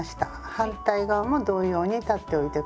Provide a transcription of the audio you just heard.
反対側も同様に裁っておいてください。